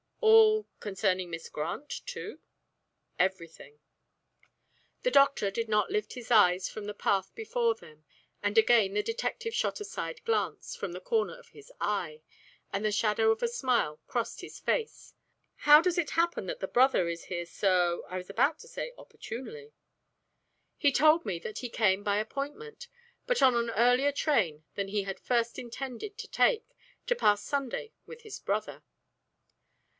"All concerning Miss Grant, too?" "Everything." The doctor did not lift his eyes from the path before them, and again the detective shot a side glance from the corner of his eye, and the shadow of a smile crossed his face. "How does it happen that this brother is here so I was about to say opportunely?" "He told me that he came by appointment, but on an earlier train than he had at first intended to take, to pass Sunday with his brother."